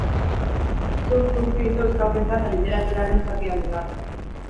Zurtz utzi ditu euskalgintza eta literaturaren zati handi bat.